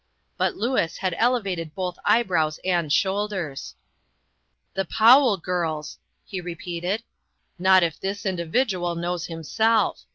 But Louis had elevated both eyebrows and shoulders. A "FANATIC." 165 "The Powell girls!" he repeated. "Not if this individual knows himself